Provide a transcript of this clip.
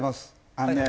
あのね。